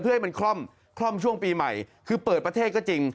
เพื่อให้มันคล่อมคล่อมช่วงปีใหม่คือเปิดประเทศก็จริง